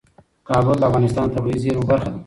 کابل د افغانستان د طبیعي زیرمو برخه ده.